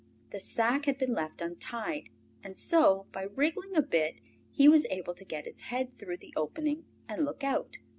The sack had been left untied, and so by wriggling a bit he was able to get his head through the opening and look out.